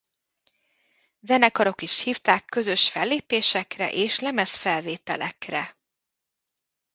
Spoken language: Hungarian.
Zenekarok is hívták közös fellépésekre és lemezfelvételekre.